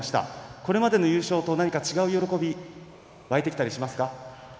これまでの優勝とは違う喜びが湧いてきたりしますか。